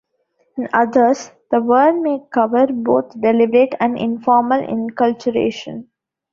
In others, the word may cover both deliberate and informal enculturation.